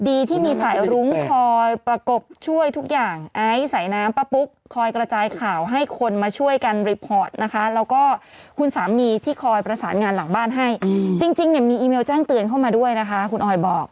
อีเมลแจ้งเตือนเข้ามาด้วยนะคะคุณออยบอก